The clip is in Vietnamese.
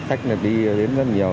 khách này đi đến rất là nhiều